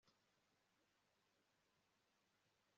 Tom yibwira ko nabibwiye Mariya